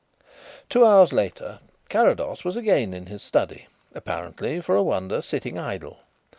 Two hours later Carrados was again in his study, apparently, for a wonder, sitting idle.